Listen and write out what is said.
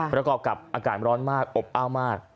ประกอบกับอากาศร้อนมากอบอ้าวมาก